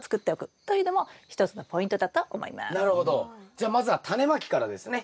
じゃあまずはタネまきからですね。